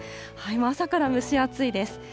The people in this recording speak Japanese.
朝から蒸し暑いです。